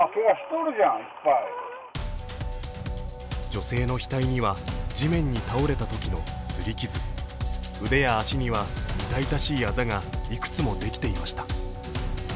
女性の額には地面に倒れたときの擦り傷、腕や足には痛々しいあざがいくつもできていました。